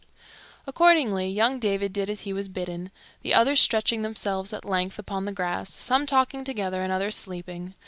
Accordingly young David did as he was bidden, the others stretching themselves at length upon the grass, some talking together and others sleeping.